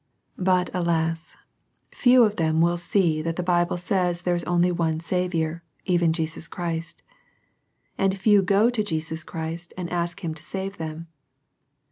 But, alas! few of them will see that the Bible says there is only one Saviour, even Jesus Christ ; and few go to Jesus Christ and ask Him to save them.